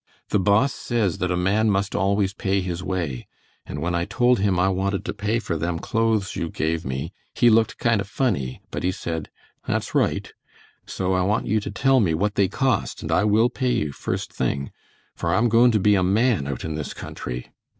The Boss says that a man must always pay his way, and when I told him I wanted to pay for them clothes you gave me he looked kind o' funny, but he said "that's right," so I want you to tell me what they cost and I will pay you first thing, for I'm goin' to be a man out in this country.